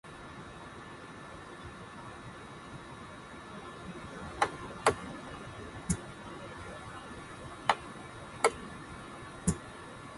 Barron Lake and its adjacent community is to the east.